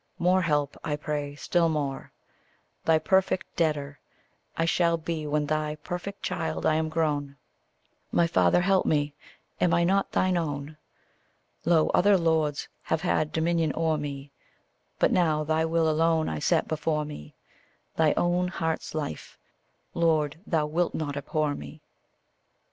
More help, I pray, still more. Thy perfect debtor I shall be when thy perfect child I am grown. My Father, help me am I not thine own? Lo, other lords have had dominion o'er me, But now thy will alone I set before me: Thy own heart's life Lord, thou wilt not abhor me!